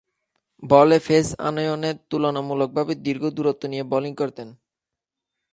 বলে পেস আনয়ণে তুলনামূলকভাবে দীর্ঘ দূরত্ব নিয়ে বোলিং করতেন।